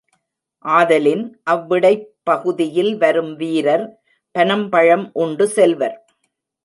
ஆதலின், அவ்விடைப் பகுதியில் வரும் வீரர், பனம்பழம் உண்டு செல்வர்.